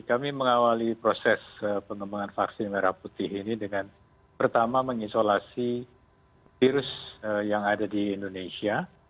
kami mengawali proses pengembangan vaksin merah putih ini dengan pertama mengisolasi virus yang ada di indonesia